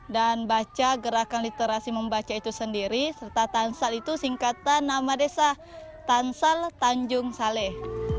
dan baca gerakan literasi membaca itu sendiri serta tansal itu singkatan nama desa tansal tanjung saleh